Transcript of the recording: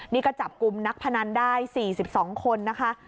นี่ก็จับกลุ่มนักพนันได้๔๒คนนะคะ